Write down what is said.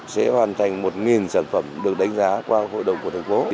sẽ hoàn thành một sản phẩm được đánh giá qua hội đồng của thành phố